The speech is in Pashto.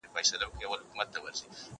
زه کولای سم زدکړه وکړم!